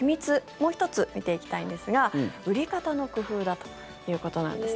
もう１つ見ていきたいんですが売り方の工夫だということです。